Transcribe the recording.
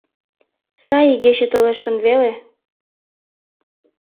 — Сай игече толеш гын веле.